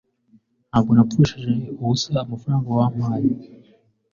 ntabwo napfushije ubusa amafaranga wampaye